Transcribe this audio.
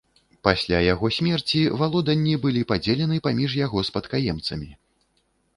Пасля яго смерці валоданні былі падзелены паміж яго спадкаемцамі.